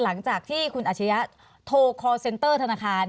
หลังจากที่คุณอาชียะโทรคอร์เซ็นเตอร์ธนาคาร